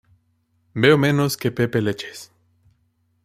Veo menos que Pepe Leches